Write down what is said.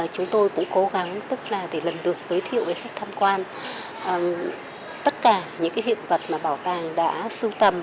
chúng tôi cũng cố gắng tức là để lần lượt giới thiệu với khách tham quan tất cả những hiện vật mà bảo tàng đã sưu tầm